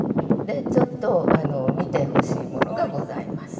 でちょっと見てほしいものがございます。